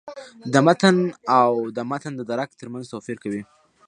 د «متن» او «د متن د درک» تر منځ توپیر کوي.